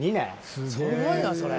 すごいなそれ。